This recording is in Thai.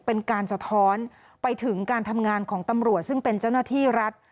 เป็นการสะท้อนไปถึงการทำงานของตำรวจซึ่งเป็นเจ้าหน้าที่รัฐ